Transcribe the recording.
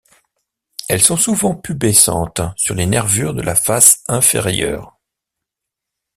Elles sont souvent pubescentes sur les nervures de la face inférieure.